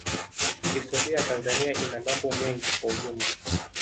Historia ya Tanzania ina mambo mengi kwa ujumla